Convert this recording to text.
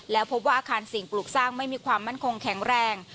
แล้วพบว่าอาคารสิ่งปลูกสร้างไม่มีความมั่นคงแข็งแรง